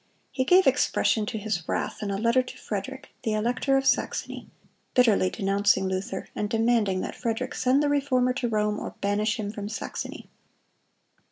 He gave expression to his wrath in a letter to Frederick, the elector of Saxony, bitterly denouncing Luther, and demanding that Frederick send the Reformer to Rome or banish him from Saxony.